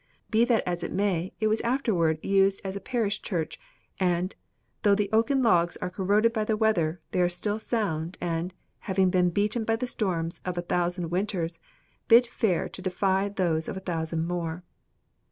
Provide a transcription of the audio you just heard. Be that as it may, it was afterward used as a parish church, and, though the oaken logs are corroded by the weather, they are still sound, and, having been beaten by the storms of a thousand winters, bid fair to defy those of a thousand more."